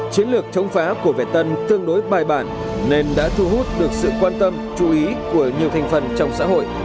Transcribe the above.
chiến lược chống phá của vệ tân tương đối bài bản nên đã thu hút được sự quan tâm chú ý của nhiều thành phần trong xã hội